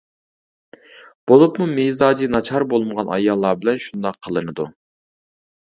بولۇپمۇ مىزاجى ناچار بولمىغان ئاياللار بىلەن شۇنداق قىلىنىدۇ.